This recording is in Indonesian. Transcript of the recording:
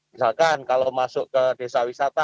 misalkan kalau masuk ke desa wisata